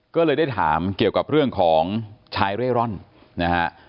ก็เลยได้ถามเกี่ยวกับเรื่องของชายเร่ร่อนนะฮะ